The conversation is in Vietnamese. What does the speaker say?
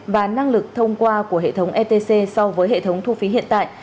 và năng lực thông qua của hệ thống etc so với hệ thống thu phí hiện tại